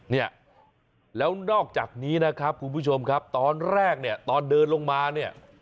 เนี่ยแล้วนอกจากนี้นะครับคุณผู้ชมครับตอนแรกเนี่ยตอนเดินลงมาเนี่ย